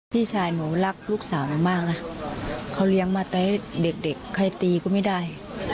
พี่ชายหนูรักลูกสาวหนูมากนะเขาเลี้ยงมาแต่เด็กใครตีก็ไม่ได้